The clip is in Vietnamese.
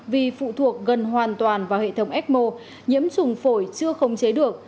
vì phụ thuộc gần hoàn toàn vào hệ thống ecmo nhiễm trùng phổi chưa khống chế được